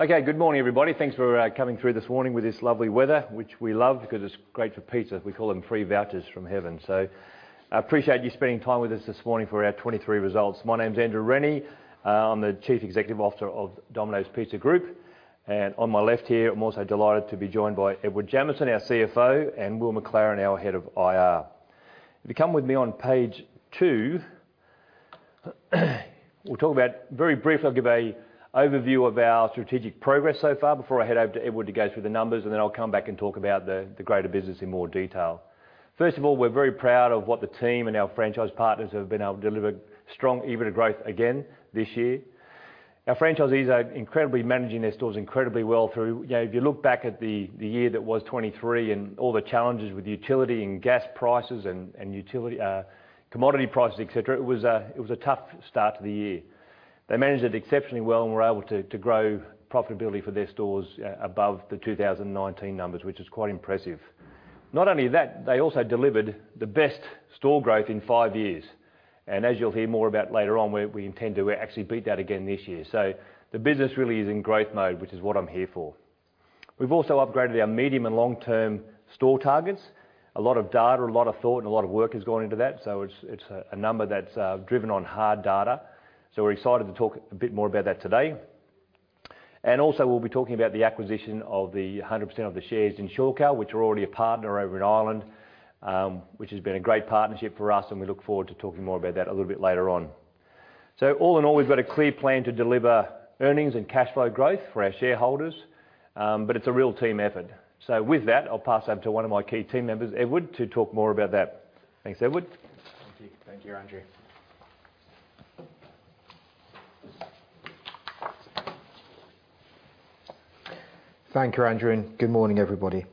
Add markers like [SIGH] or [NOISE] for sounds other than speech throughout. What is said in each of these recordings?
Okay, good morning everybody. Thanks for coming through this morning with this lovely weather, which we love because it's great for pizza. We call them free vouchers from heaven. So, appreciate you spending time with us this morning for our 2023 results. My name's Andrew Rennie. I'm the Chief Executive Officer of Domino's Pizza Group. And on my left here, I'm also delighted to be joined by Edward Jamieson, our CFO, and Will MacLaren, our Head of IR. If you come with me on page 2, we'll talk about very briefly I'll give a overview of our strategic progress so far before I head over to Edward to go through the numbers, and then I'll come back and talk about the greater business in more detail. First of all, we're very proud of what the team and our franchise partners have been able to deliver: strong EBITDA growth again this year. Our franchisees are incredibly managing their stores incredibly well through, you know, if you look back at the year that was 2023 and all the challenges with utility and gas prices and utility, commodity prices, etc., it was a tough start to the year. They managed it exceptionally well, and we're able to grow profitability for their stores, above the 2019 numbers, which is quite impressive. Not only that, they also delivered the best store growth in five years. And as you'll hear more about later on, we intend to we actually beat that again this year. So the business really is in growth mode, which is what I'm here for. We've also upgraded our medium and long-term store targets. A lot of data, a lot of thought, and a lot of work has gone into that, so it's a number that's driven on hard data. So we're excited to talk a bit more about that today. And also we'll be talking about the acquisition of 100% of the shares in Shorecal, which are already a partner over in Ireland, which has been a great partnership for us, and we look forward to talking more about that a little bit later on. So all in all, we've got a clear plan to deliver earnings and cash flow growth for our shareholders, but it's a real team effort. So with that, I'll pass over to one of my key team members, Edward, to talk more about that. Thanks, Edward. Thank you. Thank you, Andrew. Thank you, Andrew. Good morning everybody.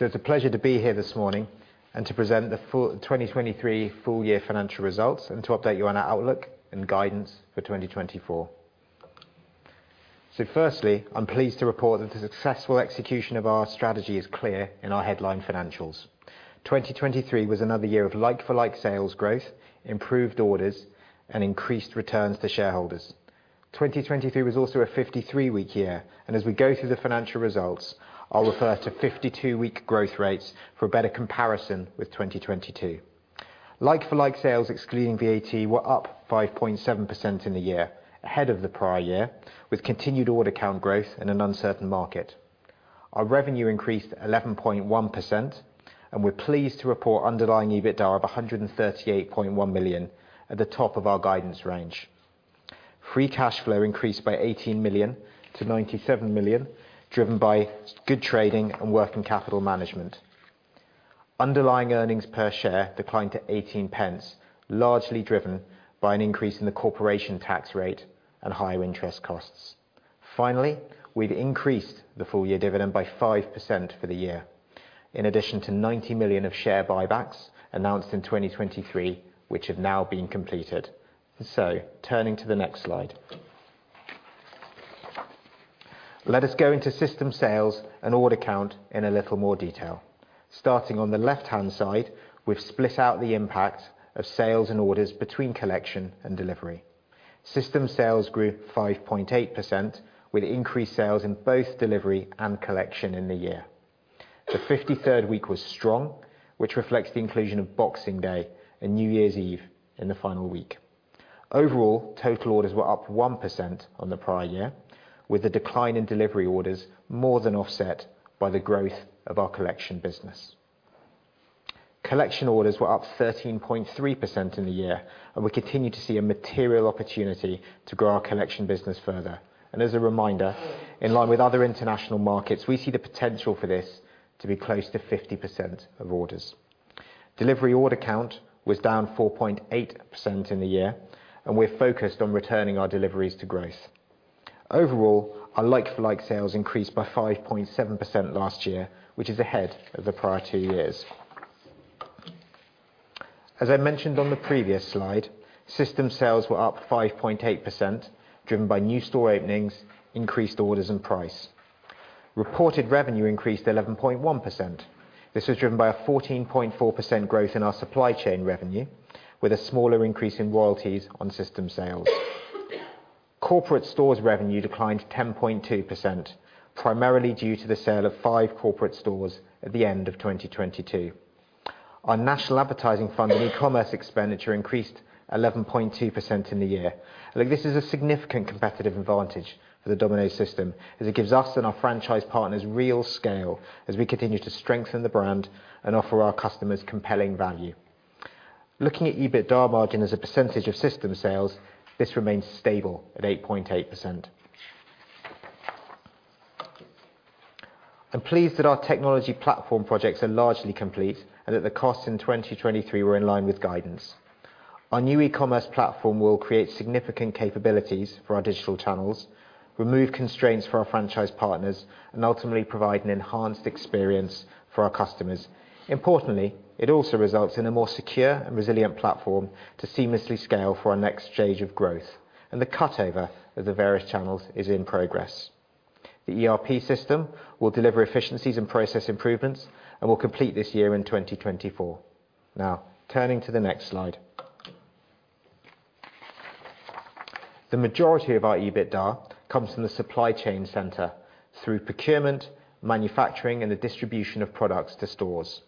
It's a pleasure to be here this morning and to present the full 2023 full-year financial results and to update you on our outlook and guidance for 2024. Firstly, I'm pleased to report that the successful execution of our strategy is clear in our headline financials. 2023 was another year of like-for-like sales growth, improved orders, and increased returns to shareholders. 2023 was also a 53-week year, and as we go through the financial results, I'll refer to 52-week growth rates for a better comparison with 2022. Like-for-like sales, excluding VAT, were up 5.7% in the year, ahead of the prior year, with continued order count growth in an uncertain market. Our revenue increased 11.1%, and we're pleased to report underlying EBITDA of 138.1 million, at the top of our guidance range. Free cash flow increased by 18 million to 97 million, driven by strong trading and working capital management. Underlying earnings per share declined to 0.18, largely driven by an increase in the corporation tax rate and higher interest costs. Finally, we've increased the full-year dividend by 5% for the year, in addition to 90 million of share buybacks announced in 2023, which have now been completed. Turning to the next slide. Let us go into System Sales and order count in a little more detail. Starting on the left-hand side, we've split out the impact of sales and orders between collection and delivery. System Sales grew 5.8%, with increased sales in both delivery and collection in the year. The 53rd week was strong, which reflects the inclusion of Boxing Day and New Year's Eve in the final week. Overall, total orders were up 1% on the prior year, with the decline in delivery orders more than offset by the growth of our collection business. Collection orders were up 13.3% in the year, and we continue to see a material opportunity to grow our collection business further. As a reminder, in line with other international markets, we see the potential for this to be close to 50% of orders. Delivery order count was down 4.8% in the year, and we're focused on returning our deliveries to growth. Overall, our like-for-like sales increased by 5.7% last year, which is ahead of the prior two years. As I mentioned on the previous slide, system sales were up 5.8%, driven by new store openings, increased orders, and price. Reported revenue increased 11.1%. This was driven by a 14.4% growth in our supply chain revenue, with a smaller increase in royalties on system sales. Corporate stores revenue declined 10.2%, primarily due to the sale of five corporate stores at the end of 2022. Our national advertising fund and e-commerce expenditure increased 11.2% in the year. Look, this is a significant competitive advantage for the Domino's system, as it gives us and our franchise partners real scale as we continue to strengthen the brand and offer our customers compelling value. Looking at EBITDA margin as a percentage of system sales, this remains stable at 8.8%. I'm pleased that our technology platform projects are largely complete and that the costs in 2023 were in line with guidance. Our new e-commerce platform will create significant capabilities for our digital channels, remove constraints for our franchise partners, and ultimately provide an enhanced experience for our customers. Importantly, it also results in a more secure and resilient platform to seamlessly scale for our next stage of growth, and the cutover of the various channels is in progress. The ERP system will deliver efficiencies and process improvements and will complete this year in 2024. Now, turning to the next slide. The majority of our EBITDA comes from the supply chain center, through procurement, manufacturing, and the distribution of products to stores.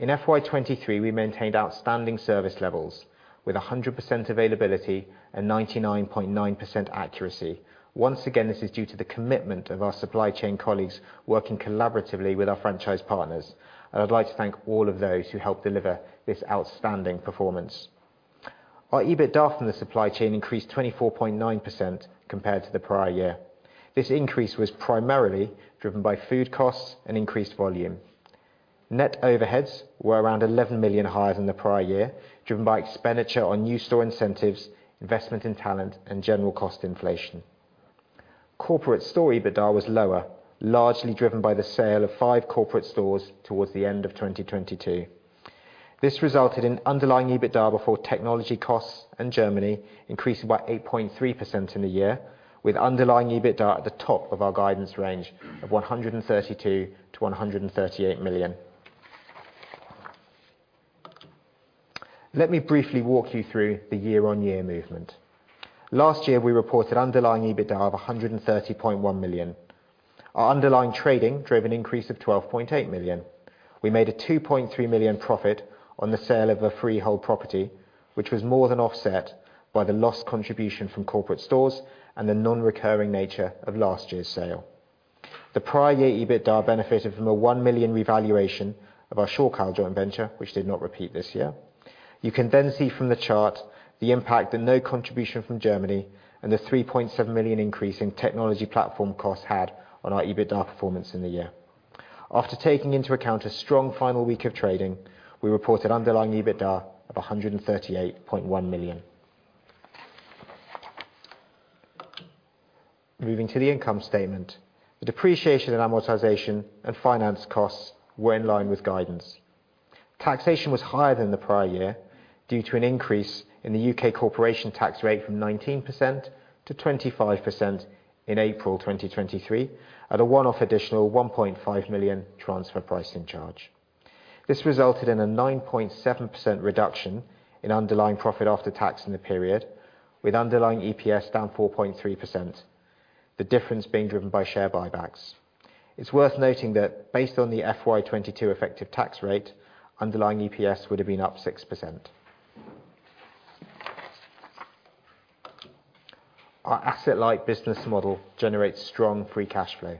In FY2023, we maintained outstanding service levels, with 100% availability and 99.9% accuracy. Once again, this is due to the commitment of our supply chain colleagues working collaboratively with our franchise partners, and I'd like to thank all of those who helped deliver this outstanding performance. Our EBITDA from the supply chain increased 24.9% compared to the prior year. This increase was primarily driven by food costs and increased volume. Net overheads were around 11 million higher than the prior year, driven by expenditure on new store incentives, investment in talent, and general cost inflation. Corporate store EBITDA was lower, largely driven by the sale of five corporate stores towards the end of 2022. This resulted in underlying EBITDA before technology costs and Germany increasing by 8.3% in the year, with underlying EBITDA at the top of our guidance range of 132 million-138 million. Let me briefly walk you through the year-on-year movement. Last year, we reported underlying EBITDA of 130.1 million. Our underlying trading drove an increase of 12.8 million. We made a 2.3 million profit on the sale of a freehold property, which was more than offset by the lost contribution from corporate stores and the non-recurring nature of last year's sale. The prior year EBITDA benefited from a 1 million revaluation of our Shorecal joint venture, which did not repeat this year. You can then see from the chart the impact that no contribution from Germany and the 3.7 million increase in technology platform costs had on our EBITDA performance in the year. After taking into account a strong final week of trading, we reported underlying EBITDA of 138.1 million. Moving to the income statement, the depreciation and amortization and finance costs were in line with guidance. Taxation was higher than the prior year due to an increase in the U.K. corporation tax rate from 19% to 25% in April 2023, at a one-off additional 1.5 million transfer pricing charge. This resulted in a 9.7% reduction in underlying profit after tax in the period, with underlying EPS down 4.3%, the difference being driven by share buybacks. It's worth noting that based on the FY2022 effective tax rate, underlying EPS would have been up 6%. Our asset-like business model generates strong free cash flow.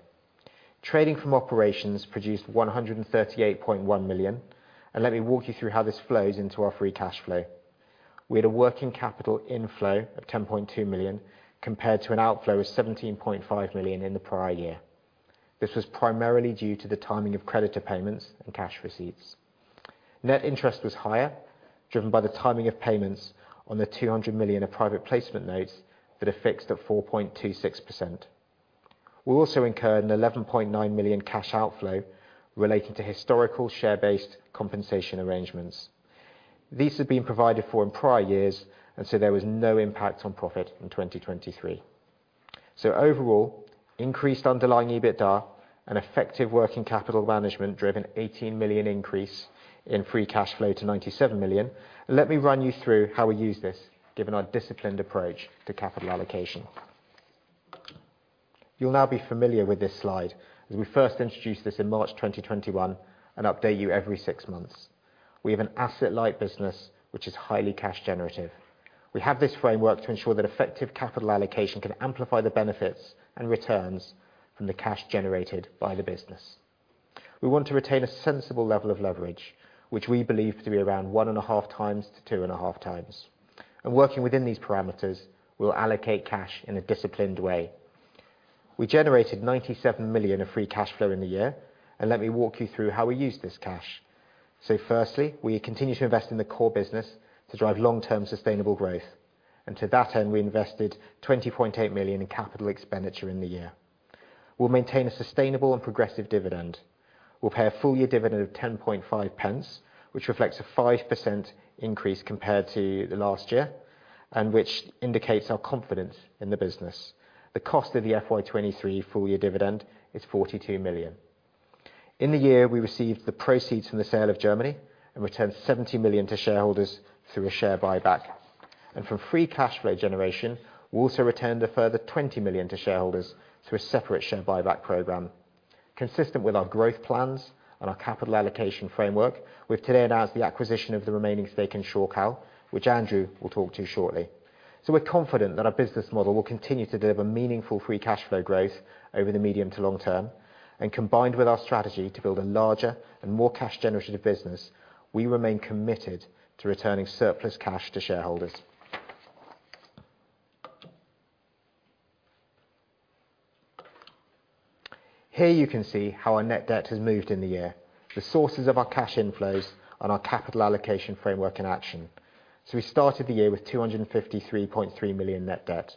Trading from operations produced 138.1 million, and let me walk you through how this flows into our free cash flow. We had a working capital inflow of 10.2 million compared to an outflow of 17.5 million in the prior year. This was primarily due to the timing of creditor payments and cash receipts. Net interest was higher, driven by the timing of payments on the 200 million of private placement notes that are fixed at 4.26%. We also incurred a 11.9 million cash outflow relating to historical share-based compensation arrangements. These had been provided for in prior years, and so there was no impact on profit in 2023. So overall, increased underlying EBITDA and effective working capital management drive a 18 million increase in free cash flow to 97 million. Let me run you through how we use this, given our disciplined approach to capital allocation. You'll now be familiar with this slide as we first introduced this in March 2021 and update you every six months. We have an asset-like business, which is highly cash-generative. We have this framework to ensure that effective capital allocation can amplify the benefits and returns from the cash generated by the business. We want to retain a sensible level of leverage, which we believe to be around 1.5x-2.5x. Working within these parameters, we'll allocate cash in a disciplined way. We generated 97 million of free cash flow in the year, and let me walk you through how we use this cash. Firstly, we continue to invest in the core business to drive long-term sustainable growth, and to that end, we invested 20.8 million in capital expenditure in the year. We'll maintain a sustainable and progressive dividend. We'll pay a full-year dividend of GBP O.105, which reflects a 5% increase compared to the last year and which indicates our confidence in the business. The cost of the FY2023 full-year dividend is 42 million. In the year, we received the proceeds from the sale of Germany and returned 70 million to shareholders through a share buyback. From free cash flow generation, we also returned a further 20 million to shareholders through a separate share buyback program. Consistent with our growth plans and our capital allocation framework, we've today announced the acquisition of the remaining stake in Shorecal, which Andrew will talk to shortly. So we're confident that our business model will continue to deliver meaningful free cash flow growth over the medium to long term, and combined with our strategy to build a larger and more cash-generative business, we remain committed to returning surplus cash to shareholders. Here you can see how our net debt has moved in the year, the sources of our cash inflows, and our capital allocation framework in action. So we started the year with 253.3 million net debt.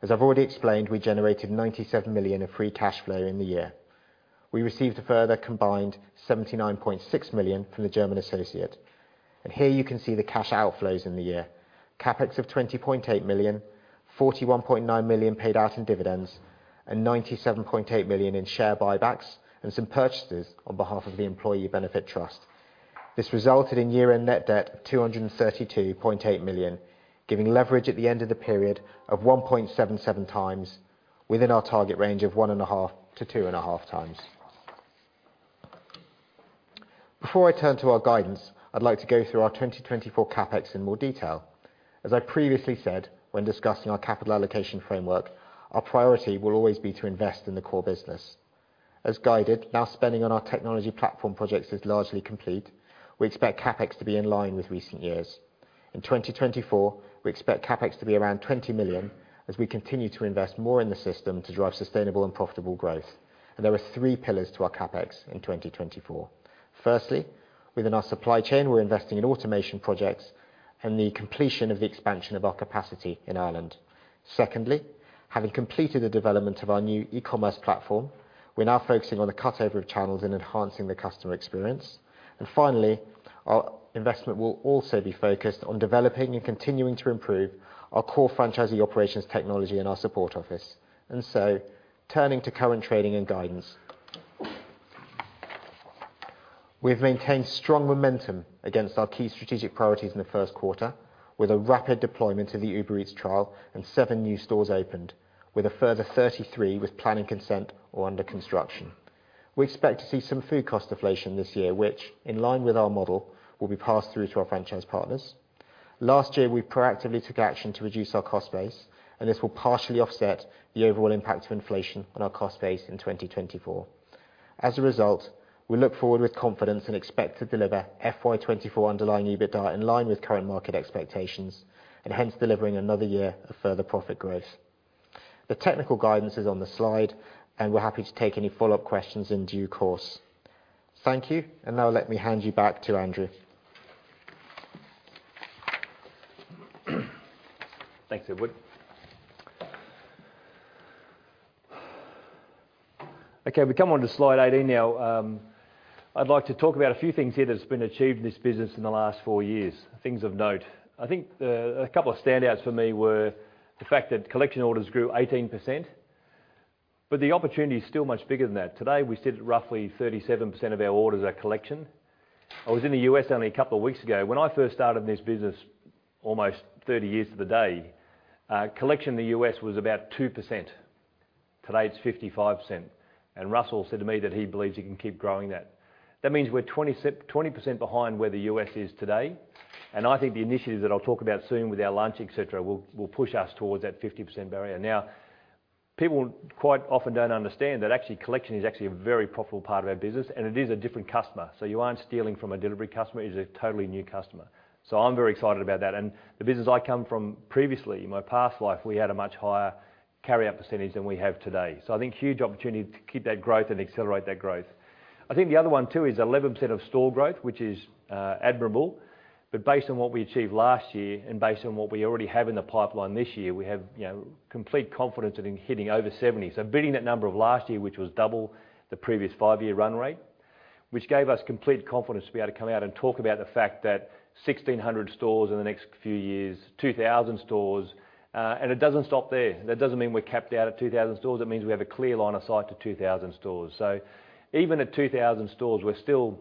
As I've already explained, we generated 97 million of free cash flow in the year. We received a further combined 79.6 million from the German associate. Here you can see the cash outflows in the year: CapEx of 20.8 million, 41.9 million paid out in dividends, and 97.8 million in share buybacks and some purchases on behalf of the Employee Benefit Trust. This resulted in year-end net debt of 232.8 million, giving leverage at the end of the period of 1.77x, within our target range of 1.5x-2.5x. Before I turn to our guidance, I'd like to go through our 2024 CapEx in more detail. As I previously said, when discussing our capital allocation framework, our priority will always be to invest in the core business. As guided, now spending on our technology platform projects is largely complete. We expect CapEx to be in line with recent years. In 2024, we expect CapEx to be around 20 million as we continue to invest more in the system to drive sustainable and profitable growth. There are three pillars to our CapEx in 2024. Firstly, within our supply chain, we're investing in automation projects and the completion of the expansion of our capacity in Ireland. Secondly, having completed the development of our new e-commerce platform, we're now focusing on the cutover of channels and enhancing the customer experience. Finally, our investment will also be focused on developing and continuing to improve our core franchisee operations technology and our support office. Turning to current trading and guidance. We've maintained strong momentum against our key strategic priorities in the first quarter, with a rapid deployment of the Uber Eats trial and seven new stores opened, with a further 33 with plan and consent or under construction. We expect to see some food cost inflation this year, which, in line with our model, will be passed through to our franchise partners. Last year, we proactively took action to reduce our cost base, and this will partially offset the overall impact of inflation on our cost base in 2024. As a result, we look forward with confidence and expect to deliver FY2024 underlying EBITDA in line with current market expectations, and hence delivering another year of further profit growth. The technical guidance is on the slide, and we're happy to take any follow-up questions in due course. Thank you, and now let me hand you back to Andrew. Thanks, Edward. Okay, we come on to slide 18 now. I'd like to talk about a few things here that have been achieved in this business in the last four years, things of note. I think a couple of standouts for me were the fact that collection orders grew 18%, but the opportunity is still much bigger than that. Today, we sit at roughly 37% of our orders are collection. I was in the U.S. only a couple of weeks ago. When I first started in this business, almost 30 years to the day, collection in the U.S. was about 2%. Today, it's 55%, and Russell said to me that he believes he can keep growing that. That means we're 20% behind where the U.S. is today, and I think the initiatives that I'll talk about soon with our launch, etc., will push us towards that 50% barrier. Now, people quite often don't understand that actually collection is actually a very profitable part of our business, and it is a different customer. So you aren't stealing from a delivery customer. It is a totally new customer. So I'm very excited about that. And the business I come from previously, in my past life, we had a much higher carryout percentage than we have today. So I think huge opportunity to keep that growth and accelerate that growth. I think the other one too is 11% of store growth, which is admirable. But based on what we achieved last year and based on what we already have in the pipeline this year, we have, you know, complete confidence in hitting over 70. So beating that number of last year, which was double the previous five-year run rate, which gave us complete confidence to be able to come out and talk about the fact that 1,600 stores in the next few years, 2,000 stores, and it doesn't stop there. That doesn't mean we're capped out at 2,000 stores. That means we have a clear line of sight to 2,000 stores. So even at 2,000 stores, we're still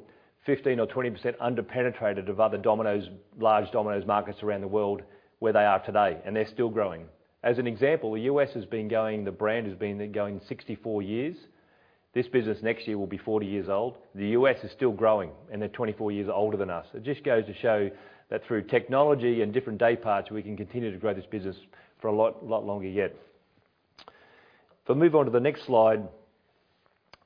15%-20% under-penetrated of other Domino's, large Domino's markets around the world where they are today, and they're still growing. As an example, the U.S. has been going. The brand has been going 64 years. This business next year will be 40 years old. The U.S. is still growing, and they're 24 years older than us. It just goes to show that through technology and different day parts, we can continue to grow this business for a lot, lot longer yet. If I move on to the next slide,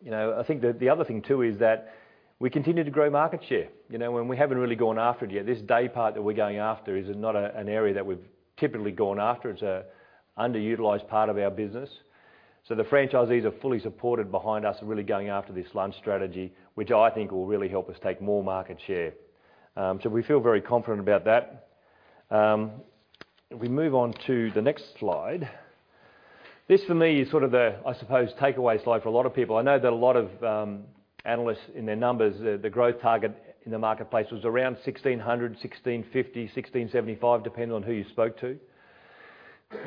you know, I think the other thing too is that we continue to grow market share. You know, when we haven't really gone after it yet, this day part that we're going after is not an area that we've typically gone after. It's an underutilized part of our business. So the franchisees are fully supported behind us and really going after this lunch strategy, which I think will really help us take more market share. So we feel very confident about that. If we move on to the next slide, this for me is sort of the, I suppose, takeaway slide for a lot of people. I know that a lot of analysts in their numbers, the growth target in the marketplace was around 1,600, 1,650, 1,675, depending on who you spoke to.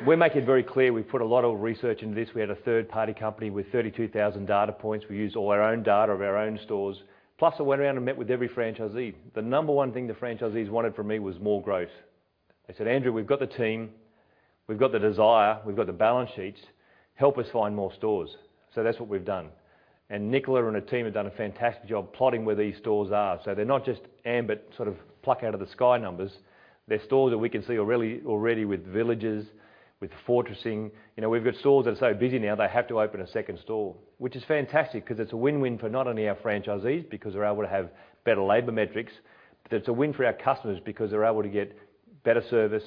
We're making it very clear we put a lot of research into this. We had a third-party company with 32,000 data points. We used all our own data of our own stores. Plus, I went around and met with every franchisee. The number one thing the franchisees wanted from me was more growth. They said, "Andrew, we've got the team. We've got the desire. We've got the balance sheets. Help us find more stores." So that's what we've done. And Nicola and her team have done a fantastic job plotting where these stores are. So they're not just ambitious, sort of pluck-out-of-the-sky numbers. They're stores that we can see already with villages, with fortressing. You know, we've got stores that are so busy now, they have to open a second store, which is fantastic because it's a win-win for not only our franchisees because they're able to have better labor metrics, but it's a win for our customers because they're able to get better service,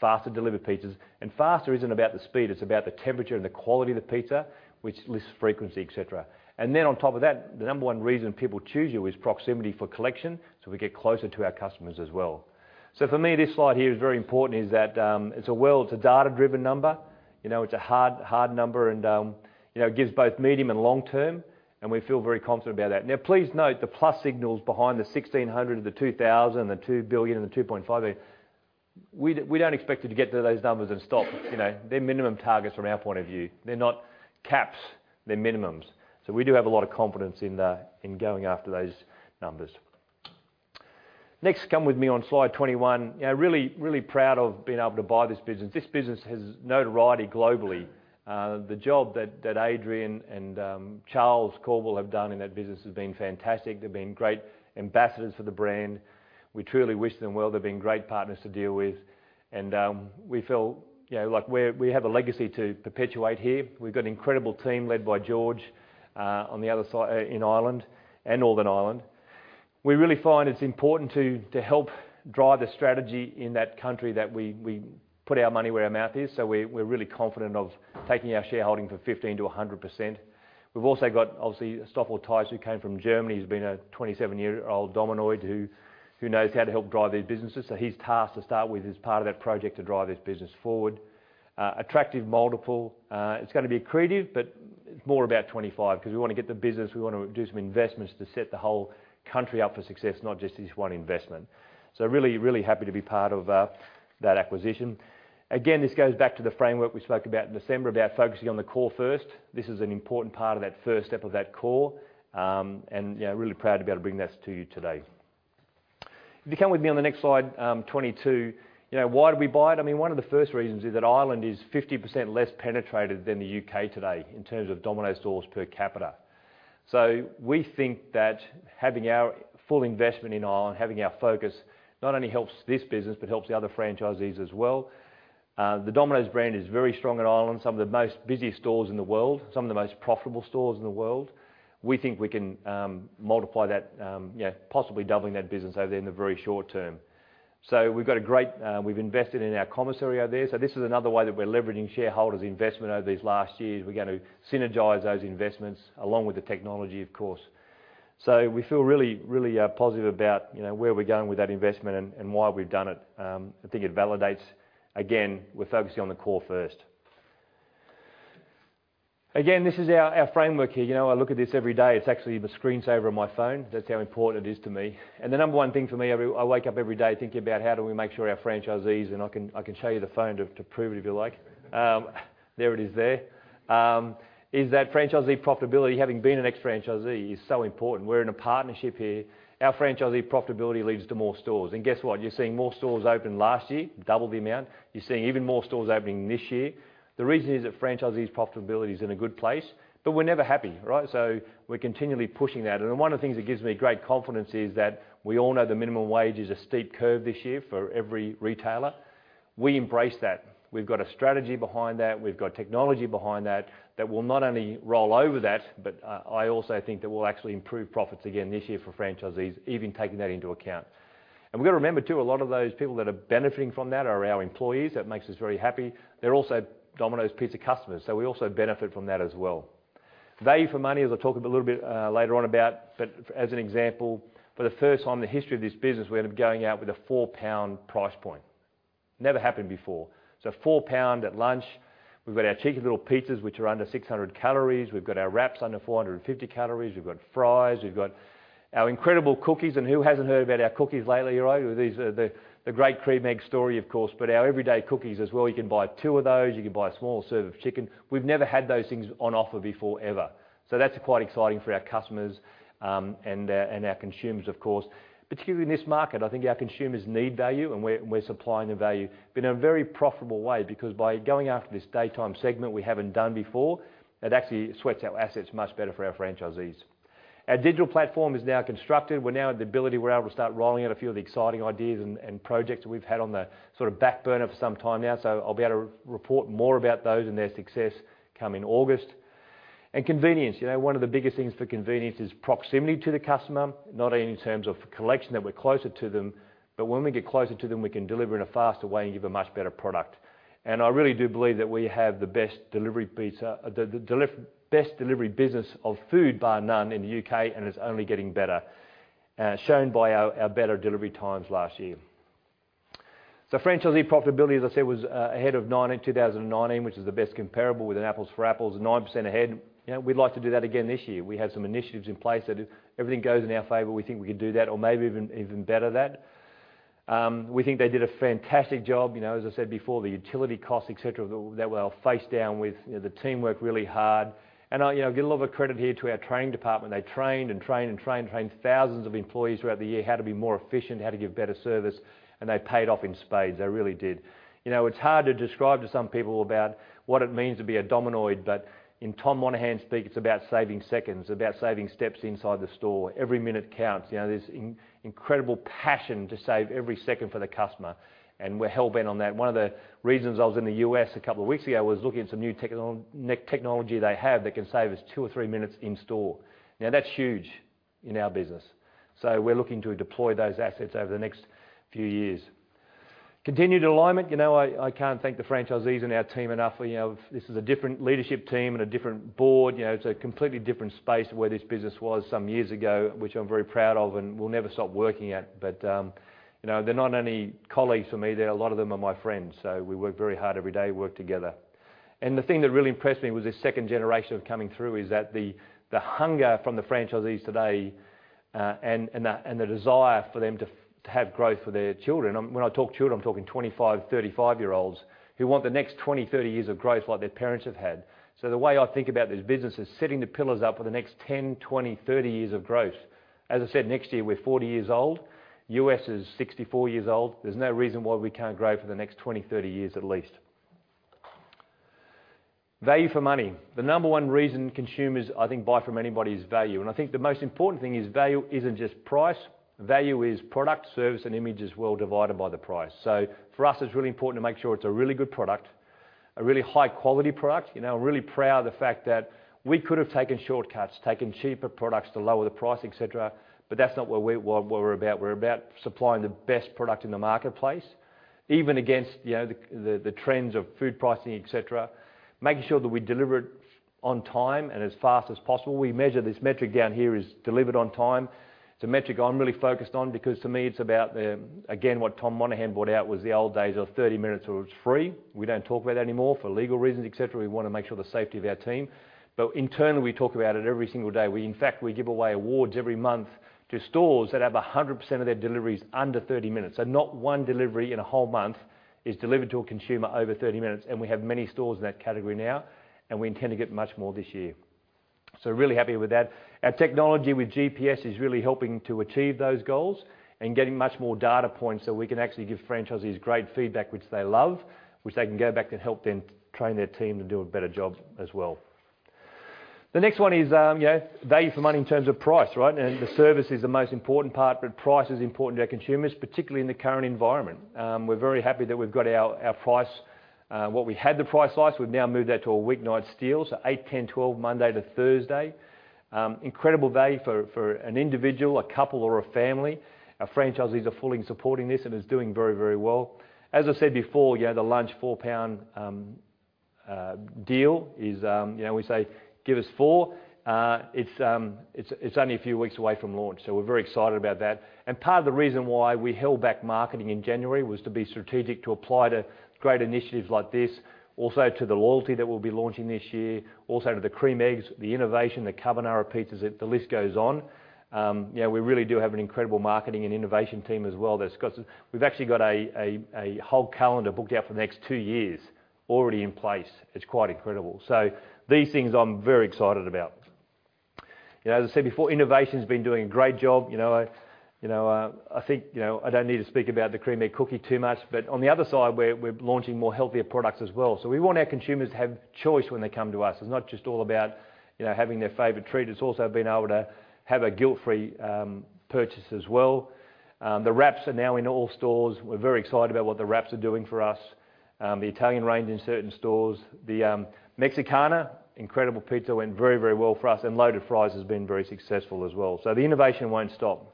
faster delivered pizzas. And faster isn't about the speed. It's about the temperature and the quality of the pizza, which lists frequency, etc. And then on top of that, the number one reason people choose you is proximity for collection, so we get closer to our customers as well. So for me, this slide here is very important is that, it's a well it's a data-driven number. You know, it's a hard, hard number and, you know, it gives both medium and long term, and we feel very confident about that. Now, please note the plus signals behind the 1,600+ and the 2,000+ and the 2 billion+ and the 2.5 billion+. We don't expect you to get to those numbers and stop. You know, they're minimum targets from our point of view. They're not caps. They're minimums. So we do have a lot of confidence in going after those numbers. Next, come with me on slide 21. You know, really, really proud of being able to buy this business. This business has notoriety globally. The job that Adrian and Charles Caldwell have done in that business has been fantastic. They've been great ambassadors for the brand. We truly wish them well. They've been great partners to deal with. We feel, you know, like we have a legacy to perpetuate here. We've got an incredible team led by George, on the other side in Ireland and Northern Ireland. We really find it's important to help drive the strategy in that country that we put our money where our mouth is. So we're really confident of taking our shareholding from 15%-100%. We've also got, obviously, Stoffel Thijs, who came from Germany. He's been a 27-year-old Domino's who knows how to help drive these businesses. So his task, to start with, is part of that project to drive this business forward. Attractive multiple. It's going to be accretive, but it's more about 25 because we want to get the business. We want to do some investments to set the whole country up for success, not just this one investment. So really, really happy to be part of that acquisition. Again, this goes back to the framework we spoke about in December about focusing on the core first. This is an important part of that first step of that core, and, you know, really proud to be able to bring that to you today. If you come with me on the next slide, 22, you know, why did we buy it? I mean, one of the first reasons is that Ireland is 50% less penetrated than the U.K. today in terms of Domino's stores per capita. So we think that having our full investment in Ireland, having our focus, not only helps this business but helps the other franchisees as well. The Domino's brand is very strong in Ireland, some of the most busy stores in the world, some of the most profitable stores in the world. We think we can multiply that, you know, possibly doubling that business over there in the very short term. So we've got a great, we've invested in our commissary over there. So this is another way that we're leveraging shareholders' investment over these last years. We're going to synergize those investments along with the technology, of course. So we feel really, really positive about, you know, where we're going with that investment and why we've done it. I think it validates, again, we're focusing on the core first. Again, this is our, our framework here. You know, I look at this every day. It's actually the screensaver on my phone. That's how important it is to me. And the number one thing for me, I wake up every day thinking about how do we make sure our franchisees and I can show you the phone to prove it if you like. There it is there. Is that franchisee profitability, having been an ex-franchisee, is so important. We're in a partnership here. Our franchisee profitability leads to more stores. And guess what? You're seeing more stores open last year, double the amount. You're seeing even more stores opening this year. The reason is that franchisees' profitability is in a good place, but we're never happy, right? So we're continually pushing that. And one of the things that gives me great confidence is that we all know the minimum wage is a steep curve this year for every retailer. We embrace that. We've got a strategy behind that. We've got technology behind that that will not only roll over that, but I also think that will actually improve profits again this year for franchisees, even taking that into account. And we've got to remember too, a lot of those people that are benefiting from that are our employees. That makes us very happy. They're also Domino's Pizza customers. So we also benefit from that as well. Value for money, as I'll talk a little bit later on about, but as an example, for the first time in the history of this business, we're going to be going out with a 4 pound price point. Never happened before. So 4 pound at lunch. We've got our Cheeky Little Pizzas, which are under 600 calories. We've got our Wraps under 450 calories. We've got fries. We've got our incredible cookies. And who hasn't heard about our cookies lately, right? These are the great Creme Egg story, of course, but our everyday cookies as well. You can buy two of those. You can buy a small serve of chicken. We've never had those things on offer before, ever. So that's quite exciting for our customers, and our consumers, of course. Particularly in this market, I think our consumers need value, and we're supplying the value in a very profitable way because by going after this daytime segment we haven't done before, it actually sweats our assets much better for our franchisees. Our digital platform is now constructed. We're now at the ability we're able to start rolling out a few of the exciting ideas and projects that we've had on the sort of back burner for some time now. So I'll be able to report more about those and their success come in August. And convenience. You know, one of the biggest things for convenience is proximity to the customer, not only in terms of collection that we're closer to them, but when we get closer to them, we can deliver in a faster way and give a much better product. And I really do believe that we have the best delivery pizza the best delivery business of food bar none in the U.K., and it's only getting better, shown by our better delivery times last year. So, franchisee profitability, as I said, was ahead of 2019, which is the best comparable with an apples-for-apples, 9% ahead. You know, we'd like to do that again this year. We have some initiatives in place that if everything goes in our favor, we think we could do that or maybe even better that. We think they did a fantastic job. You know, as I said before, the utility costs, etc., that were faced with, you know, the team worked really hard. And I'll, you know, give a lot of credit here to our training department. They trained and trained and trained and trained thousands of employees throughout the year how to be more efficient, how to give better service, and they paid off in spades. They really did. You know, it's hard to describe to some people about what it means to be a Dominoid, but in Tom Monaghan's speak, it's about saving seconds, about saving steps inside the store. Every minute counts. You know, there's incredible passion to save every second for the customer, and we're hell-bent on that. One of the reasons I was in the U.S. a couple of weeks ago was looking at some new technology they have that can save us two or three minutes in store. Now, that's huge in our business. So we're looking to deploy those assets over the next few years. Continued alignment. You know, I can't thank the franchisees and our team enough. You know, this is a different leadership team and a different board. You know, it's a completely different space to where this business was some years ago, which I'm very proud of and will never stop working at. But, you know, they're not only colleagues for me there. A lot of them are my friends. So we work very hard every day. We work together. And the thing that really impressed me was this second generation of coming through, is that the hunger from the franchisees today and the desire for them to have growth for their children when I talk children, I'm talking 25, 35-year-olds who want the next 20, 30 years of growth like their parents have had. So the way I think about this business is setting the pillars up for the next 10, 20, 30 years of growth. As I said, next year, we're 40 years old. U.S. is 64 years old. There's no reason why we can't grow for the next 20, 30 years at least. Value for money. The number one reason consumers, I think, buy from anybody is value. And I think the most important thing is value isn't just price. Value is product, service, and images well divided by the price. So for us, it's really important to make sure it's a really good product, a really high-quality product. You know, I'm really proud of the fact that we could have taken shortcuts, taken cheaper products to lower the price, etc., but that's not what we're about. We're about supplying the best product in the marketplace, even against, you know, the trends of food pricing, etc., making sure that we deliver it on time and as fast as possible. We measure this metric down here is delivered on time. It's a metric I'm really focused on because to me, it's about, again, what Tom Monaghan brought out was the old days of 30 minutes or it was free. We don't talk about that anymore for legal reasons, etc. We want to make sure the safety of our team. But internally, we talk about it every single day. In fact, we give away awards every month to stores that have 100% of their deliveries under 30 minutes. So not one delivery in a whole month is delivered to a consumer over 30 minutes. And we have many stores in that category now, and we intend to get much more this year. So really happy with that. Our technology with GPS is really helping to achieve those goals and getting much more data points so we can actually give franchisees great feedback, which they love, which they can go back and help then train their team to do a better job as well. The next one is, you know, value for money in terms of price, right? The service is the most important part, but price is important to our consumers, particularly in the current environment. We're very happy that we've got our price what we had the Price Slice. We've now moved that to a weeknight steal, so 8, 10, 12., Monday to Thursday. Incredible value for an individual, a couple, or a family. Our franchisees are fully supporting this and are doing very, very well. As I said before, you know, the lunch 4 pound deal is, you know, we say, "Give us four." It's only a few weeks away from launch. So we're very excited about that. And part of the reason why we held back marketing in January was to be strategic, to apply to great initiatives like this, also to the loyalty that we'll be launching this year, also to the Cream Eggs, the innovation, the Carbonara pizzas. The list goes on. You know, we really do have an incredible marketing and innovation team as well that's got we've actually got a whole calendar booked out for the next two years already in place. It's quite incredible. So these things, I'm very excited about. You know, as I said before, innovation's been doing a great job. You know, I think, you know, I don't need to speak about the Cream Egg cookie too much, but on the other side, we're launching more healthier products as well. So we want our consumers to have choice when they come to us. It's not just all about, you know, having their favorite treat. It's also being able to have a guilt-free purchase as well. The Wraps are now in all stores. We're very excited about what the Wraps are doing for us. The Italian range in certain stores. The Mexicana incredible pizza went very, very well for us, and Loaded Fries has been very successful as well. So the innovation won't stop.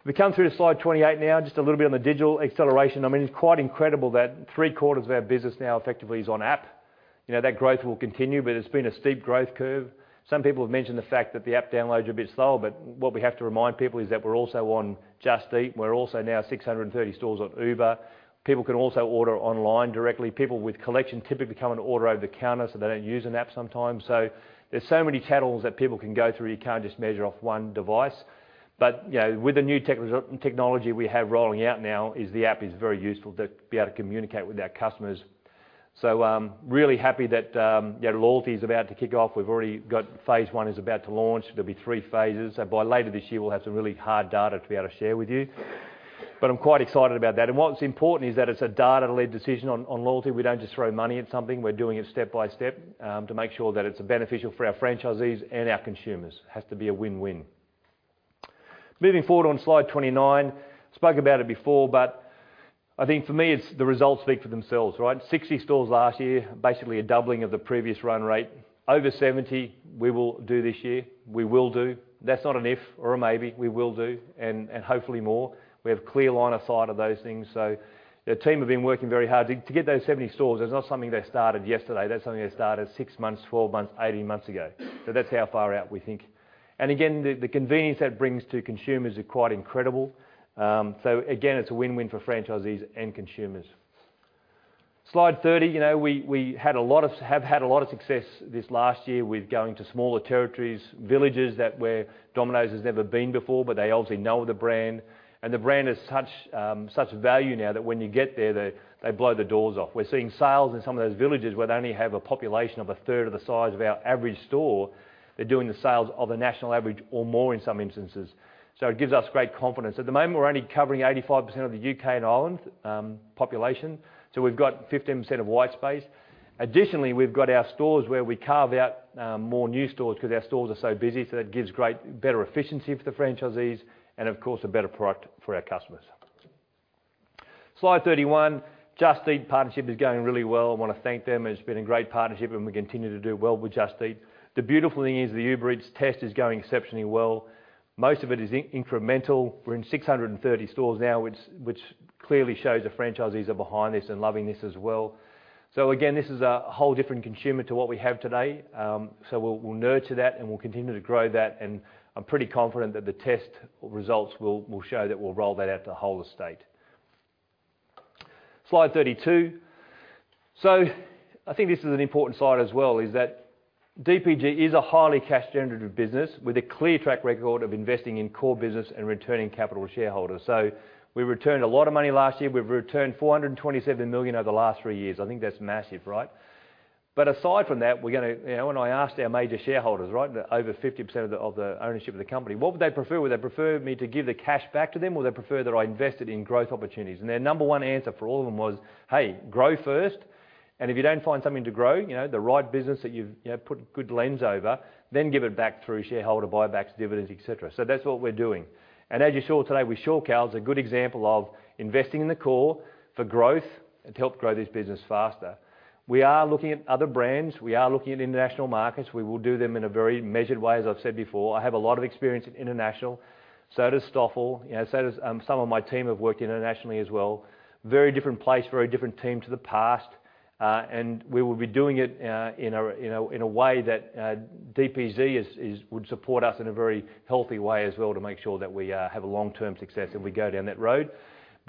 If we come through to slide 28 now, just a little bit on the digital acceleration. I mean, it's quite incredible that three-quarters of our business now effectively is on app. You know, that growth will continue, but it's been a steep growth curve. Some people have mentioned the fact that the app downloads are a bit slow, but what we have to remind people is that we're also on Just Eat. We're also now 630 stores on Uber. People can also order online directly. People with collection typically come and order over the counter, so they don't use an app sometimes. So there's so many channels that people can go through. You can't just measure off one device. But, you know, with the new technology we have rolling out now, the app is very useful to be able to communicate with our customers. So really happy that, you know, loyalty is about to kick off. We've already got phase one is about to launch. There'll be three phases. So by later this year, we'll have some really hard data to be able to share with you. But I'm quite excited about that. And what's important is that it's a data-led decision on loyalty. We don't just throw money at something. We're doing it step by step to make sure that it's beneficial for our franchisees and our consumers. It has to be a win-win. Moving forward on slide 29, spoke about it before, but I think for me, the results speak for themselves, right? 60 stores last year, basically a doubling of the previous run rate. Over 70, we will do this year. We will do. That's not an if or a maybe. We will do, and hopefully more. We have a clear line of sight of those things. So the team have been working very hard to get those 70 stores. It's not something they started yesterday. That's something they started 6 months, 12 months, 18 months ago. So that's how far out we think. And again, the convenience that brings to consumers is quite incredible. So again, it's a win-win for franchisees and consumers. Slide 30, you know, we had a lot of success this last year with going to smaller territories, villages where Domino's has never been before, but they obviously know the brand. And the brand has such value now that when you get there, they blow the doors off. We're seeing sales in some of those villages where they only have a population of a third of the size of our average store. They're doing the sales of the national average or more in some instances. So it gives us great confidence. At the moment, we're only covering 85% of the U.K. and Ireland population. So we've got 15% of white space. Additionally, we've got our stores where we carve out more new stores because our stores are so busy. So that gives great better efficiency for the franchisees and, of course, a better product for our customers. Slide 31, Just Eat partnership is going really well. I want to thank them. It's been a great partnership, and we continue to do well with Just Eat. The beautiful thing is the Uber Eats test is going exceptionally well. Most of it is incremental. We're in 630 stores now, which clearly shows the franchisees are behind this and loving this as well. So again, this is a whole different consumer to what we have today. So we'll nurture that, and we'll continue to grow that. And I'm pretty confident that the test results will show that we'll roll that out to the whole estate. Slide 32. So I think this is an important side as well, is that DPG is a highly cash-generative business with a clear track record of investing in core business and returning capital to shareholders. So we returned a lot of money last year. We've returned 427 million over the last three years. I think that's massive, right? But aside from that, we're going to when I asked our major shareholders, right, over 50% of the ownership of the company, what would they prefer? Would they prefer me to give the cash back to them, or would they prefer that I invest it in growth opportunities? And their number one answer for all of them was, "Hey, grow first. If you don't find something to grow, you know, the right business that you've put a good lens over, then give it back through shareholder buybacks, dividends, etc." So that's what we're doing. As you saw today, with Shorecal, it's a good example of investing in the core for growth to help grow this business faster. We are looking at other brands. We are looking at international markets. We will do them in a very measured way, as I've said before. I have a lot of experience in international. So does Stoffel. You know, so does some of my team have worked internationally as well. Very different place, very different team to the past. We will be doing it in a way that DPG would support us in a very healthy way as well to make sure that we have a long-term success and we go down that road.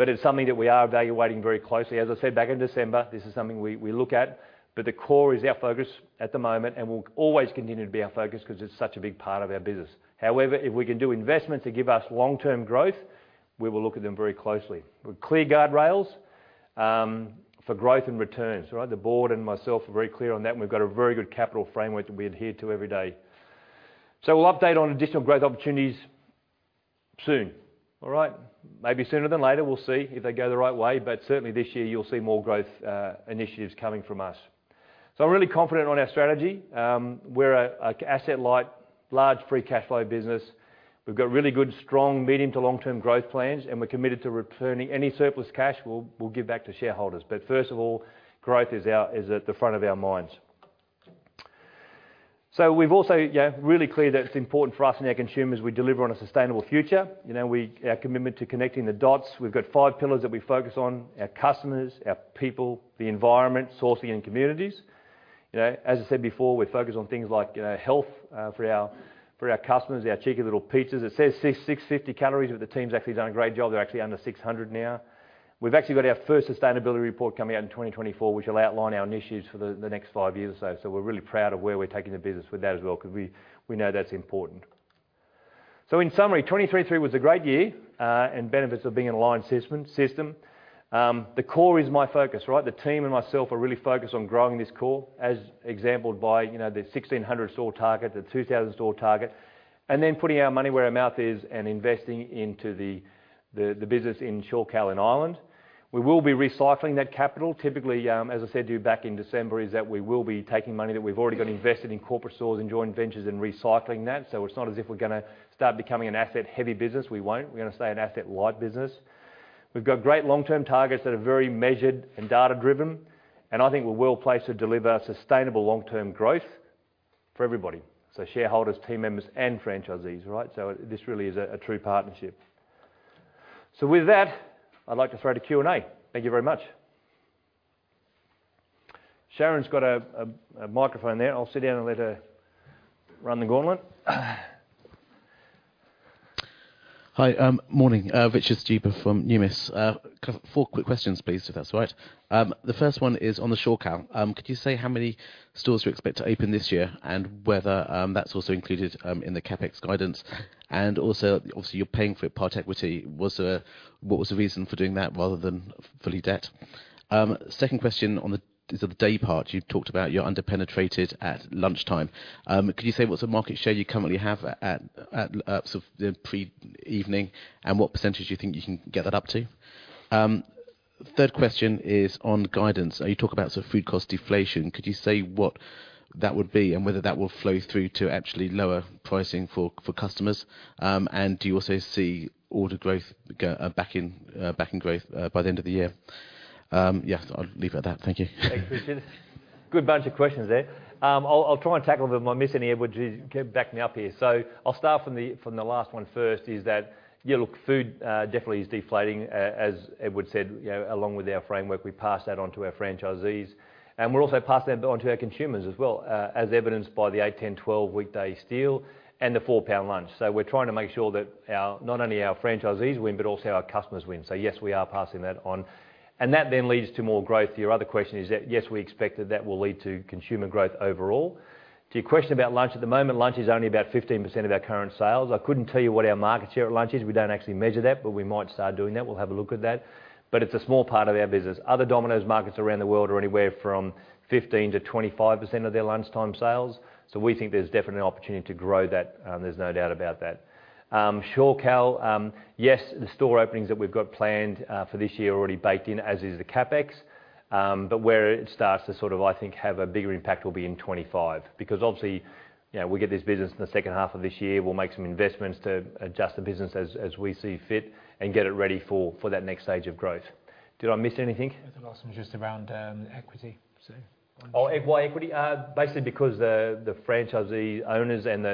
But it's something that we are evaluating very closely. As I said back in December, this is something we look at, but the core is our focus at the moment, and we'll always continue to be our focus because it's such a big part of our business. However, if we can do investments that give us long-term growth, we will look at them very closely. We have clear guardrails for growth and returns, right? The board and myself are very clear on that, and we've got a very good capital framework that we adhere to every day. So we'll update on additional growth opportunities soon, all right? Maybe sooner than later. We'll see if they go the right way, but certainly this year, you'll see more growth initiatives coming from us. So I'm really confident on our strategy. We're an asset-light, large free cash flow business. We've got really good, strong, medium to long-term growth plans, and we're committed to returning any surplus cash we'll give back to shareholders. But first of all, growth is at the front of our minds. So we've also, you know, really clear that it's important for us and our consumers we deliver on a sustainable future. You know, our commitment to connecting the dots. We've got five pillars that we focus on: our customers, our people, the environment, sourcing, and communities. You know, as I said before, we focus on things like, you know, health for our customers, our Cheeky Little Pizzas. It says 650 calories, but the team's actually done a great job. They're actually under 600 now. We've actually got our first sustainability report coming out in 2024, which will outline our initiatives for the next five years or so. So we're really proud of where we're taking the business with that as well because we know that's important. So in summary, 2023 was a great year and benefits of being an aligned system. The core is my focus, right? The team and myself are really focused on growing this core, as exampled by, you know, the 1,600-store target, the 2,000-store target, and then putting our money where our mouth is and investing into the business in Shorecal and Ireland. We will be recycling that capital. Typically, as I said to you back in December, is that we will be taking money that we've already got invested in corporate stores and joint ventures and recycling that. So it's not as if we're going to start becoming an asset-heavy business. We won't. We're going to stay an asset-light business. We've got great long-term targets that are very measured and data-driven, and I think we're well placed to deliver sustainable long-term growth for everybody, so shareholders, team members, and franchisees, right? So this really is a true partnership. So with that, I'd like to throw it to Q&A. Thank you very much. Sharon's got a microphone there. I'll sit down and let her run the gauntlet. Hi. Morning. Richard Stuber from Numis. Four quick questions, please, if that's all right. The first one is on the Shorecal. Could you say how many stores you expect to open this year and whether that's also included in the CapEx guidance? And also, obviously, you're paying for it, part equity. What was the reason for doing that rather than fully debt? Second question is on the day part. You talked about you're underpenetrated at lunchtime. Could you say what's the market share you currently have at sort of the pre-evening and what percentage you think you can get that up to? Third question is on guidance. You talk about sort of food cost deflation. Could you say what that would be and whether that will flow through to actually lower pricing for customers? And do you also see order growth, backing growth by the end of the year? Yeah, I'll leave it at that. Thank you. Thanks, Richard. Good bunch of questions there. I'll try and tackle them if I'm missing any, Edward, to back me up here. So I'll start from the last one first, is that, yeah, look, food definitely is deflating, as Edward said, along with our framework. We pass that on to our franchisees. We're also passing that on to our consumers as well, as evidenced by the 8:00, 10:00, 12:00 weekday steal and the 4 pound lunch. We're trying to make sure that not only our franchisees win, but also our customers win. Yes, we are passing that on. That then leads to more growth. Your other question is that, yes, we expect that will lead to consumer growth overall. To your question about lunch at the moment, lunch is only about 15% of our current sales. I couldn't tell you what our market share at lunch is. We don't actually measure that, but we might start doing that. We'll have a look at that. But it's a small part of our business. Other Domino's markets around the world are anywhere from 15%-25% of their lunchtime sales. We think there's definitely an opportunity to grow that. There's no doubt about that. Shorecal, yes, the store openings that we've got planned for this year are already baked in, as is the CapEx. But where it starts to sort of, I think, have a bigger impact will be in 2025 because obviously, you know, we get this business in the second half of this year. We'll make some investments to adjust the business as we see fit and get it ready for that next stage of growth. Did I miss anything? I thought I was just around equity, so. Oh, why equity? Basically because the franchisee owners and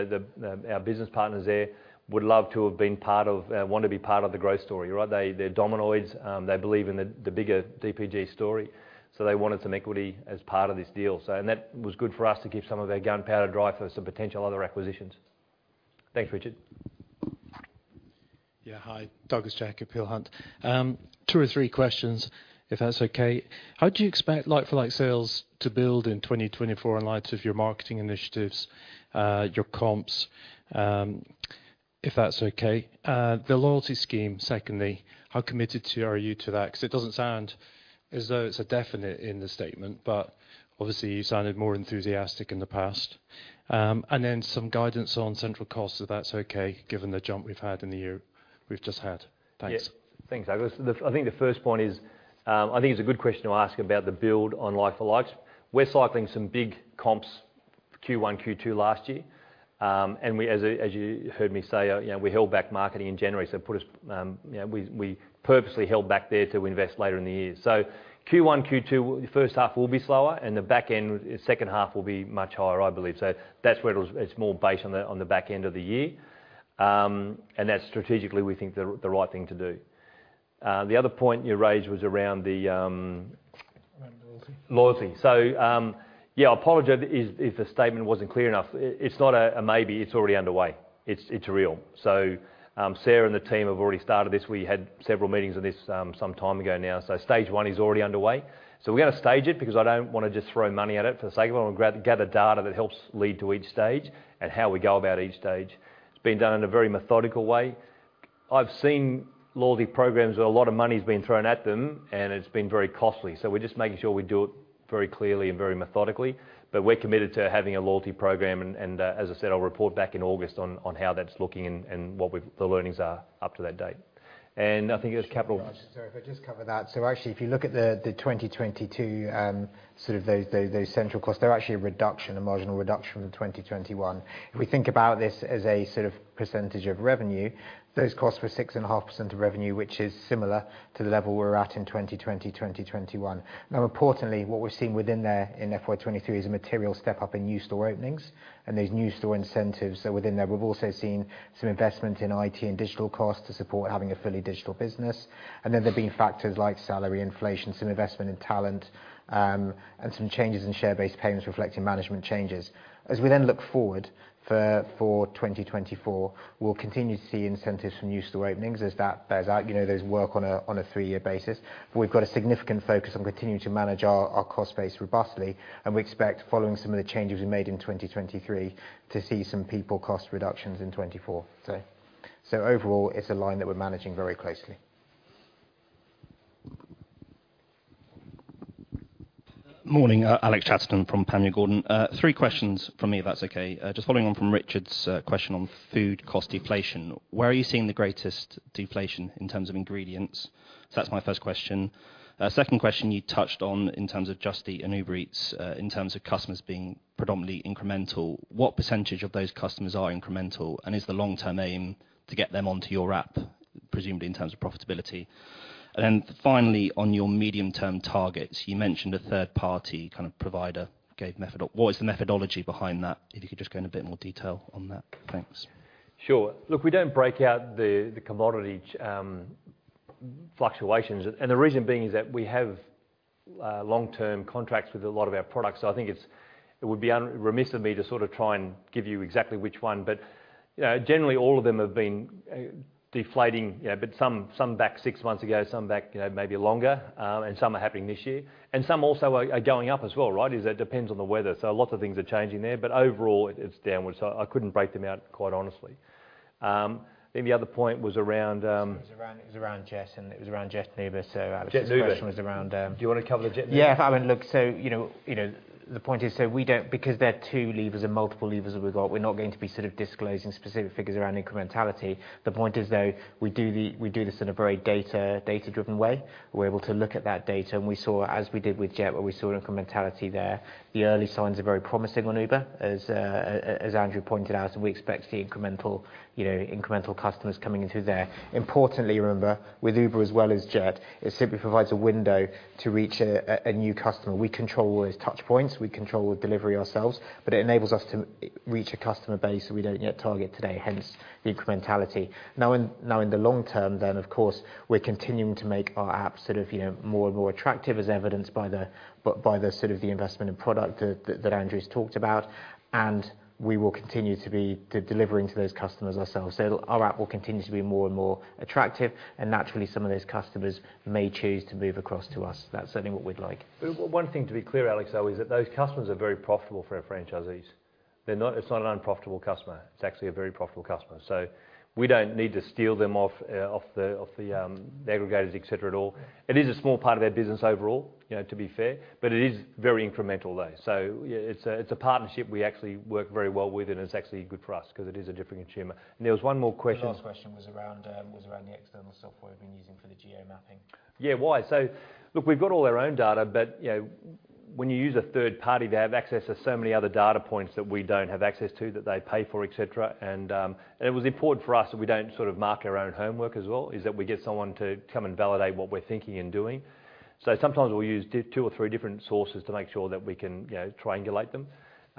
our business partners there would love to have been part of want to be part of the growth story, right? They're dominoids. They believe in the bigger DPG story. So they wanted some equity as part of this deal. That was good for us to keep some of our gunpowder dry for some potential other acquisitions. Thanks, Richard. Yeah, hi. Douglas Jack, Peel Hunt. Two or three questions, if that's okay. How do you expect like-for-like sales to build in 2024 in light of your marketing initiatives, your comps, if that's okay? The loyalty scheme, secondly, how committed are you to that? Because it doesn't sound as though it's a definite in the statement, but obviously, you sounded more enthusiastic in the past. And then some guidance on central costs, if that's okay, given the jump we've had in the year we've just had. Thanks. Yeah. Thanks, Douglas. I think the first point is I think it's a good question to ask about the build on like-for-likes. We're cycling some big comps Q1, Q2 last year. And as you heard me say, we held back marketing in January. So we purposely held back there to invest later in the year. So Q1, Q2, the first half will be slower, and the back end, second half, will be much higher, I believe. So that's where it's more based on the back end of the year. And that's strategically, we think, the right thing to do. The other point you raised was around the loyalty. So yeah, I apologize if the statement wasn't clear enough. It's not a maybe. It's already underway. It's real. So Sarah and the team have already started this. We had several meetings on this some time ago now. So stage one is already underway. So we're going to stage it because I don't want to just throw money at it for the sake of it. I want to gather data that helps lead to each stage and how we go about each stage. It's been done in a very methodical way. I've seen loyalty programs where a lot of money's been thrown at them, and it's been very costly. So we're just making sure we do it very clearly and very methodically. But we're committed to having a loyalty program. And as I said, I'll report back in August on how that's looking and what the learnings are up to that date. And I think there's capital. Sorry if I just cover that. So actually, if you look at the 2022 sort of those central costs, they're actually a reduction, a marginal reduction from 2021. If we think about this as a sort of percentage of revenue, those costs were 6.5% of revenue, which is similar to the level we're at in 2020, 2021. Now, importantly, what we've seen within there in FY2023 is a material step up in new store openings and those new store incentives that were in there. We've also seen some investment in IT and digital costs to support having a fully digital business. And then there've been factors like salary, inflation, some investment in talent, and some changes in share-based payments reflecting management changes. As we then look forward for 2024, we'll continue to see incentives from new store openings as those work on a three-year basis. We've got a significant focus on continuing to manage our cost base robustly, and we expect, following some of the changes we made in 2023, to see some people cost reductions in 2024, so. So overall, it's a line that we're managing very closely. Morning. Alex Chatterton from Panmure Gordon. Three questions from me, if that's okay. Just following on from Richard's question on food cost deflation. Where are you seeing the greatest deflation in terms of ingredients? So that's my first question. Second question, you touched on in terms of Just Eat and Uber Eats, in terms of customers being predominantly incremental. What percentage of those customers are incremental, and is the long-term aim to get them onto your app, presumably in terms of profitability? And then finally, on your medium-term targets, you mentioned a third-party kind of provider, GapMaps. What is the methodology behind that? If you could just go into a bit more detail on that. Thanks. Sure. Look, we don't break out the commodity fluctuations. The reason being is that we have long-term contracts with a lot of our products. So I think it would be remiss of me to sort of try and give you exactly which one. But generally, all of them have been deflating, but some back six months ago, some back maybe longer, and some are happening this year. And some also are going up as well, right? It depends on the weather. So lots of things are changing there. But overall, it's downwards. So I couldn't break them out quite honestly. Then the other point was around, it was around Just Eat, and it was around JET and Uber. So Alex's question was around JET and Uber. Do you want to cover the JET and Uber? Yeah. I mean, look, so the point is, so we don't, because there are two levers and multiple levers that we've got, we're not going to be sort of disclosing specific figures around incrementality. The point is, though, we do this in a very data-driven way. We're able to look at that data, and we saw, as we did with Just Eat, where we saw incrementality there. The early signs are very promising on Uber, as Andrew pointed out, and we expect to see incremental customers coming into there. Importantly, remember, with Uber as well as Just Eat, it simply provides a window to reach a new customer. We control all those touchpoints. We control delivery ourselves, but it enables us to reach a customer base that we don't yet target today, hence the incrementality. Now, in the long term then, of course, we're continuing to make our app sort of more and more attractive, as evidenced by sort of the investment in product that Andrew's talked about. And we will continue to be delivering to those customers ourselves. So our app will continue to be more and more attractive, and naturally, some of those customers may choose to move across to us. That's certainly what we'd like. One thing to be clear, Alex, though, is that those customers are very profitable for our franchisees. It's not an unprofitable customer. It's actually a very profitable customer. So we don't need to steal them off the aggregators, etc., at all. It is a small part of their business overall, to be fair, but it is very incremental, though. So it's a partnership we actually work very well with, and it's actually good for us because it is a different consumer. And there was one more question. [AUDIO DISTORTION] Yeah. Why? So look, we've got all our own data, but when you use a third party, they have access to so many other data points that we don't have access to that they pay for, etc. It was important for us that we don't sort of mark our own homework as well, is that we get someone to come and validate what we're thinking and doing. Sometimes we'll use two or three different sources to make sure that we can triangulate them.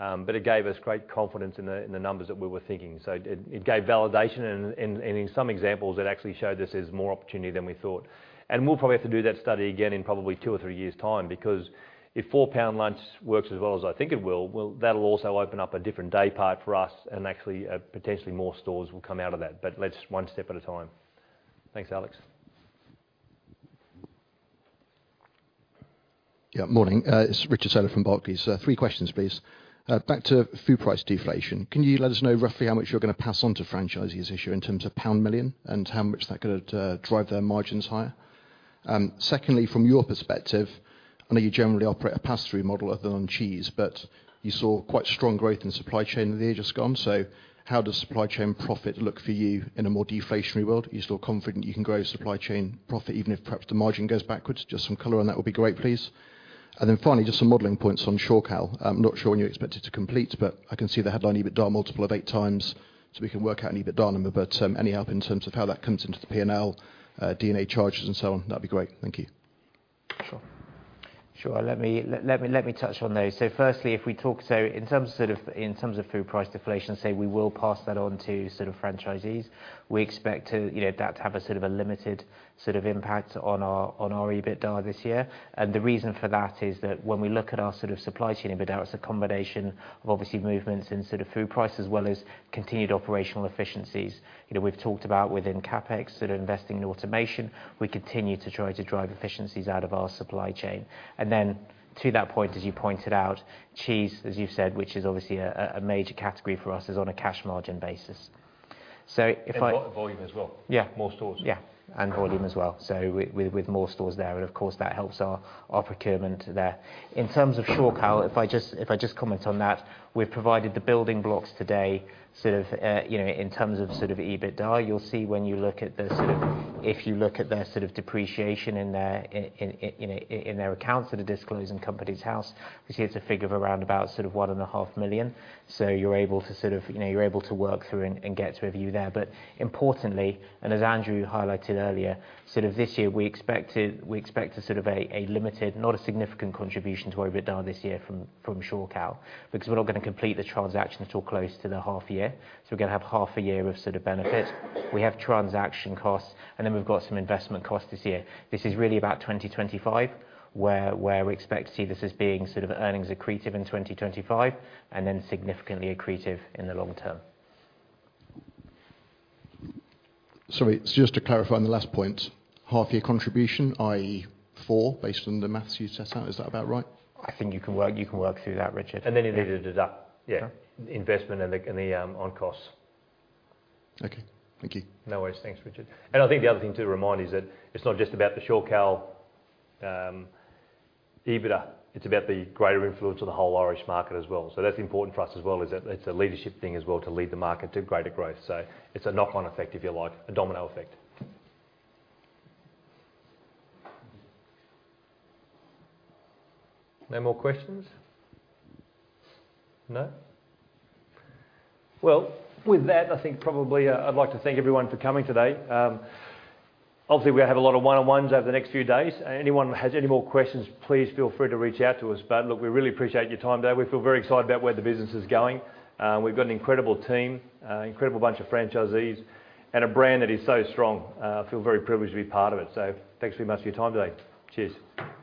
It gave us great confidence in the numbers that we were thinking. It gave validation, and in some examples, it actually showed this as more opportunity than we thought. We'll probably have to do that study again in probably two or 3 years' time because if 4 pound lunch works as well as I think it will, that'll also open up a different day part for us, and actually, potentially, more stores will come out of that. But let's one step at a time. Thanks, Alex. Yeah. Morning. It's Richard Sheridan from Barclays. Three questions, please. Back to food price deflation. Can you let us know roughly how much you're going to pass on to franchisees this year in terms of pound million and how much that could drive their margins higher? Secondly, from your perspective, I know you generally operate a pass-through model other than on cheese, but you saw quite strong growth in supply chain the year just gone. So how does supply chain profit look for you in a more deflationary world? Are you still confident you can grow supply chain profit even if perhaps the margin goes backwards? Just some color on that would be great, please. And then finally, just some modeling points on Shorecal. I'm not sure when you're expected to complete, but I can see the headline EBITDA multiple of 8x. So we can work out an EBITDA number. But any help in terms of how that comes into the P&L, D&A charges, and so on, that'd be great. Thank you. Sure. Sure. Let me touch on those. So firstly, if we talk so in terms of sort of in terms of food price deflation, say we will pass that on to sort of franchisees, we expect that to have a sort of a limited sort of impact on our EBITDA this year. The reason for that is that when we look at our sort of supply chain EBITDA, it's a combination of obviously movements in sort of food price as well as continued operational efficiencies. We've talked about within CapEx sort of investing in automation. We continue to try to drive efficiencies out of our supply chain. And then to that point, as you pointed out, cheese, as you've said, which is obviously a major category for us, is on a cash margin basis. And volume as well. More stores. Yeah. And volume as well. So with more stores there. And of course, that helps our procurement there. In terms of Shorecal, if I just comment on that, we've provided the building blocks today sort of in terms of sort of EBITDA. You'll see when you look at their sort of depreciation in their accounts at Companies House, you see it's a figure of around about sort of 1.5 million. So you're able to sort of work through and get to a view there. But importantly, and as Andrew highlighted earlier, sort of this year, we expect a sort of a limited, not a significant contribution to our EBITDA this year from Shorecal because we're not going to complete the transaction at all close to the half-year. So we're going to have half a year of sort of benefit. We have transaction costs, and then we've got some investment costs this year. This is really about 2025 where we expect to see this as being sort of earnings accretive in 2025 and then significantly accretive in the long term. Sorry. So just to clarify on the last point, half-year contribution, i.e., four based on the math you set out. Is that about right? I think you can work through that, Richard. And then you need to do that investment and the on-costs. Okay. Thank you. No worries. Thanks, Richard. And I think the other thing to remind is that it's not just about the Shorecal EBITDA. It's about the greater influence of the whole Irish market as well. So that's important for us as well, is that it's a leadership thing as well to lead the market to greater growth. So it's a knock-on effect, if you like, a domino effect. No more questions? No? Well, with that, I think probably I'd like to thank everyone for coming today. Obviously, we're going to have a lot of one-on-ones over the next few days. Anyone who has any more questions, please feel free to reach out to us. But look, we really appreciate your time today. We feel very excited about where the business is going. We've got an incredible team, incredible bunch of franchisees, and a brand that is so strong. I feel very privileged to be part of it. So thanks very much for your time today. Cheers.